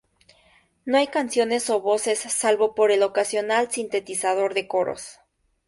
No hay canciones o voces, salvo por el ocasional sintetizador de coros.